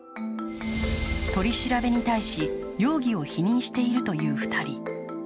取り調べに対し容疑を否認しているという２人。